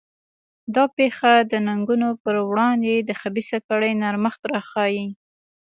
دا پېښه د ننګونو پر وړاندې د خبیثه کړۍ نرمښت راښيي.